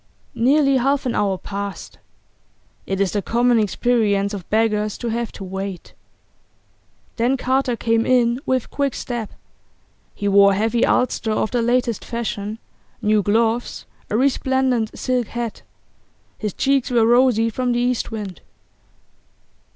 Nearly half an hour passed. It is the common experience of beggars to have to wait. Then Carter came in with quick step; he wore a heavy ulster of the latest fashion, new gloves, a resplendent silk hat; his cheeks were rosy from the east wind.